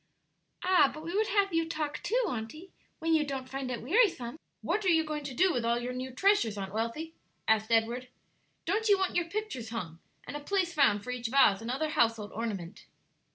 "Ah, but we would have you talk, too, auntie, when you don't find it wearisome!" "What are you going to do with all your new treasures, Aunt Wealthy?" asked Edward; "don't you want your pictures hung and a place found for each vase and other household ornament?"